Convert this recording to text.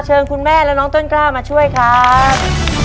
คุณแม่และน้องต้นกล้ามาช่วยครับ